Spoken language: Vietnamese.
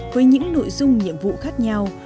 với những nội dung nhiệm vụ khác nhau